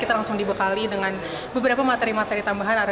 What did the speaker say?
kita langsung dibekali dengan beberapa materi materi tambahan